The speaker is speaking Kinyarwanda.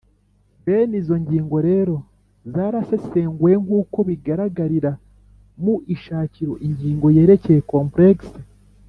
Bene izo ngingo rero zarasesenguwe nk'uko bigaragarira mu ishakiroIngingo yerekeye "complexes",